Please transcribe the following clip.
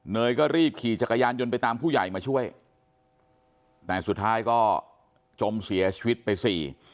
ยก็รีบขี่จักรยานยนต์ไปตามผู้ใหญ่มาช่วยแต่สุดท้ายก็จมเสียชีวิตไปสี่